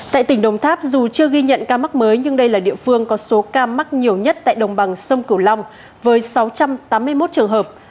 tại tỉnh đồng tháp dù chưa ghi nhận ca mắc mới nhưng đây là địa phương có số ca mắc nhiều nhất tại đồng bằng sông cửu long với sáu trăm tám mươi một trường hợp